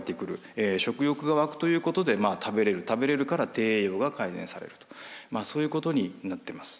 食欲が湧くということで食べれる食べれるから低栄養が改善されるとそういうことになってます。